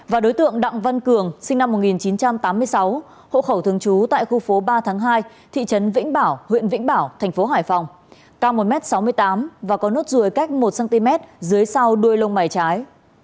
và đối tượng đặng văn cường sinh năm một nghìn chín trăm tám mươi sáu hộ khẩu thường trú tại khu phố ba tháng hai thị trấn vĩnh bảo huyện vĩnh bảo thành phố hải phòng cao một m sáu mươi tám và có nốt ruồi cách một cm dưới sau đuôi lông mày trái